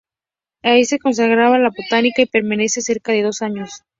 Allí se consagra a la botánica y permanece cerca de dos años.